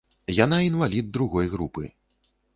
Яна інвалід другой групы.